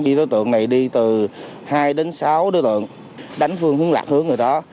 khi đối tượng này đi từ hai đến sáu đối tượng đánh phương hướng lạc hướng người đó